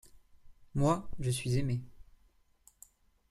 Moi, je suis aimé.